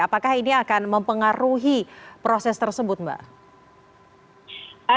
apakah ini akan mempengaruhi proses tersebut mbak